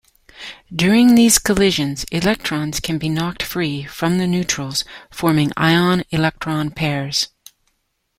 During these collisions, electrons can be knocked free from the neutrals, forming ion-electron pairs.